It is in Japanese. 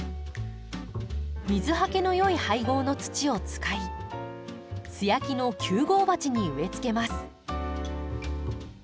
水はけの良い配合の土を使い素焼きの９号鉢に植えつけます。